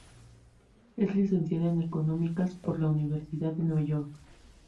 Es licenciada en económicas por la Universidad de Nueva York.